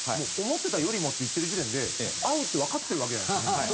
思ってたよりもって言ってる時点で会うってわかってるわけじゃないですか。